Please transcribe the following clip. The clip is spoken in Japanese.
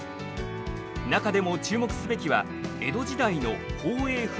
中でも注目すべきは江戸時代の宝永噴火。